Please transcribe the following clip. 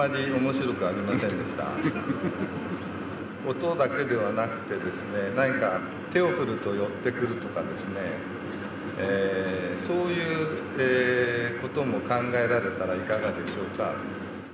音だけではなくて何か手を振ると寄ってくるとかそういう事も考えられたらいかがでしょうか？